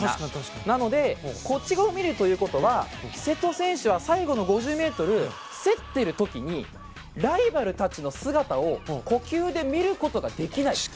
なので、こっち側を見るということは瀬戸選手は最後の５０ｍ競っている時にライバルたちの姿を呼吸で見ることができない。